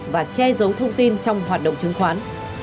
và che giấu thông tin trong hoạt động chứng khoán